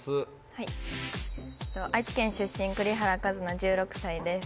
はい愛知県出身栗原一菜１６歳です